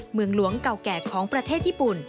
เมืองหลวงเก่าแก่ของประเทศญี่ปุ่น